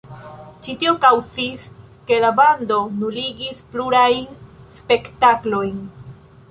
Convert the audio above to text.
Ĉi tio kaŭzis ke la bando nuligis plurajn spektaklojn.